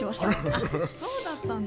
あっそうだったんだ。